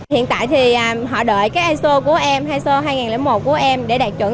hiện tại thì họ đợi cái iso của em hayso hai nghìn một của em để đạt chuẩn